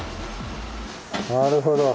なるほど。